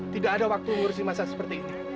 tidak ada waktu mengurusi masa seperti ini